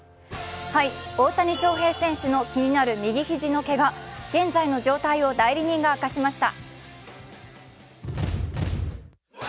大谷翔平選手の気になる右肘のけが、現在の状態を代理人が明かしました。